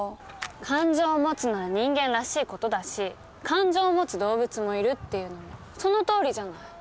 感情を持つのは人間らしい事だし感情を持つ動物もいるっていうのもそのとおりじゃない。